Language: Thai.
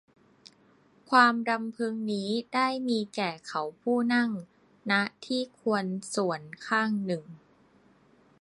ความรำพึงนี้ได้มีแก่เขาผู้นั่ง ณ ที่ควรส่วนข้างหนึ่ง